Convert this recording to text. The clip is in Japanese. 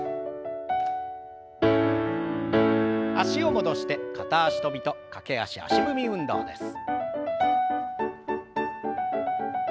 脚を戻して片足跳びと駆け足足踏み運動です。